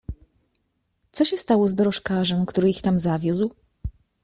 "Co się stało z dorożkarzem, który ich tam zawiózł?"